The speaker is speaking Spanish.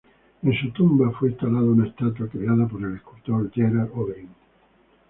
En su tumba fue instalada una estatua, creada por el escultor Gerard Overeem.